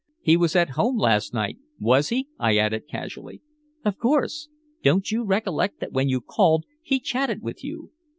He was at home last night, was he?" I added casually. "Of course. Don't you recollect that when you called he chatted with you?